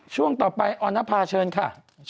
ช่วงต่อไปอพเชิญค่ะ